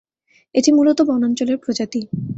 এটি মূলত বনাঞ্চলের প্রজাতি।